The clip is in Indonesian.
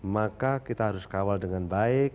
maka kita harus kawal dengan baik